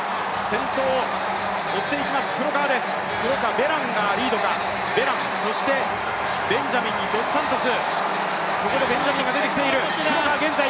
ベランがリードか、そしてベンジャミンにドスサントス。